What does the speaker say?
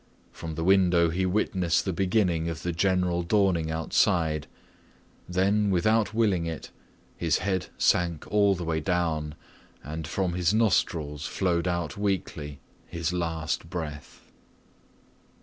From the window he witnessed the beginning of the general dawning outside. Then without willing it, his head sank all the way down, and from his nostrils flowed out weakly his last breath.